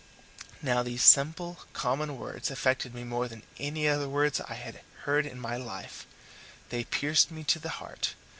Now these simple, common words affected me more than any other words I have heard in my life. They pierced me to the heart.